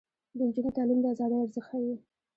د نجونو تعلیم د ازادۍ ارزښت ښيي.